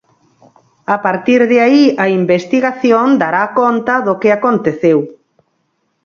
A partir de aí a investigación dará conta do que aconteceu.